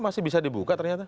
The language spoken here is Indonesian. masih bisa dibuka ternyata